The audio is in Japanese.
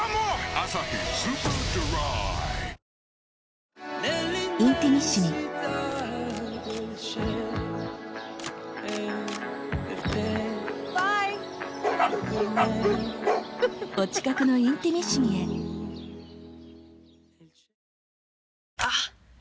「アサヒスーパードライ」あっ！